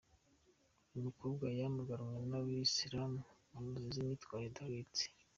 Uyu mukobwa yamaganwe n'abayisilamu bamuziza imyitwarire idahwitse.